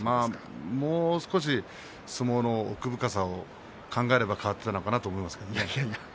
もう少し相撲の奥深さを考えれば変わっていたのかなと思います。